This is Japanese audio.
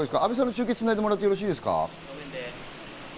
阿部さんと中継をつないでもらっていいですか？